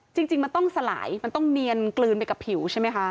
จริงมันต้องสลายมันต้องเนียนกลืนไปกับผิวใช่ไหมคะ